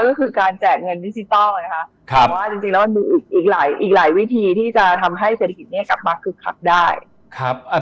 ก็คือการแจกเงินดิสิทัลนะคะแต่ว่าจริงแล้วมันมีอีกหลายวิธีที่จะทำให้เศรษฐกิจนี้กลับมาคึกขับได้